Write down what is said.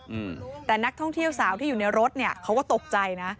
เพราะว่าผู้เที่ยวสาวที่อยู่ในรถเนี่ยเขาก็ตกใจนะ